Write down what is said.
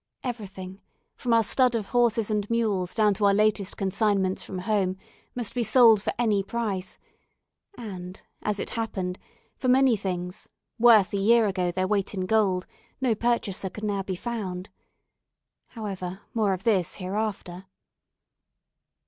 Everything, from our stud of horses and mules down to our latest consignments from home, must be sold for any price; and, as it happened, for many things, worth a year ago their weight in gold, no purchaser could now be found. However, more of this hereafter.